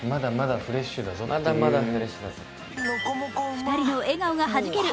２人の笑顔がはじける